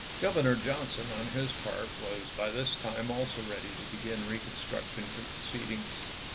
Governor Johnson, on his part, was by this time also ready to begin reconstruction proceedings.